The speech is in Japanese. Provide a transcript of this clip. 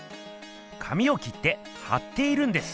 紙を切ってはっているんです。